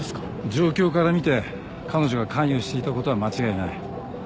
状況から見て彼女が関与していたことは間違いない。